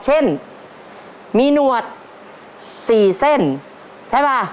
เช่นมีหนวด๔เส้นใช่ป่ะ